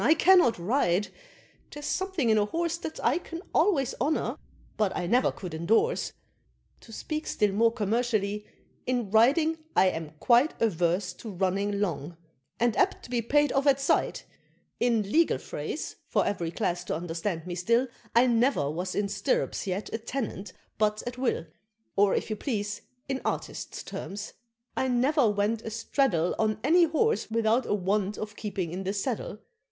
I cannot ride there's something in a horse That I can always honor, but I never could endorse To speak still more commercially, in riding I am quite Averse to running long, and apt to be paid off at sight: In legal phrase, for every class to understand me still, I never was in stirrups yet a tenant but at will; Or, if you please, in artist terms, I never went a straddle On any horse without 'a want of keeping' in the saddle.